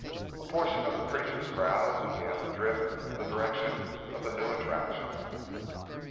A portion of the preacher's crowd began to drift in the direction of the new attraction.